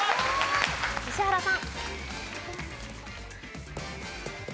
石原さん。